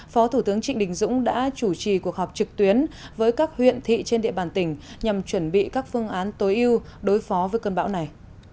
phó thủ tướng trịnh đình dũng đã chủ trì cuộc họp trực tuyến với các huyện thị trên địa bàn tỉnh nhằm chuẩn bị các phương án tối ưu đối phó với cơn bão này